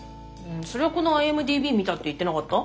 それはこのＩＭＤｂ見たって言ってなかった？